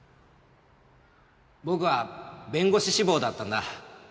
僕は弁護士志望だったんだ。